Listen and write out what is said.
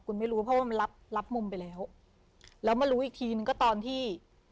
คุณไม่รู้เพราะว่ามันรับรับมุมไปแล้วแล้วมารู้อีกทีนึงก็ตอนที่